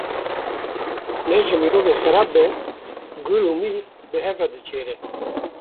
Ne ji mirovê xerab be, gur û mih bi hev re diçêre.